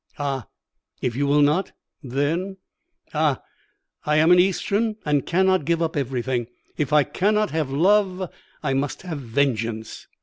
"'Ah, if you will not! Then ah, I am an Eastern, and cannot give up everything. If I cannot have love, I must have vengeance.'